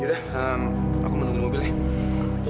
yaudah aku menunggu mobilnya